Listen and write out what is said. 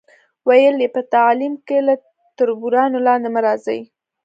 ویل یې، په تعلیم کې له تربورانو لاندې مه راځئ.